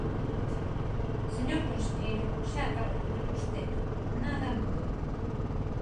Señor conselleiro, xa acaba de ver vostede, nada mudou.